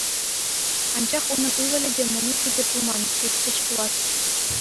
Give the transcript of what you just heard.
Анчах унӑн ывӑлӗ те мӑнукӗ те пулман, тетчӗҫ пулас.